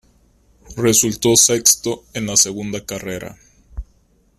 Resultó sexto en la segunda carrera.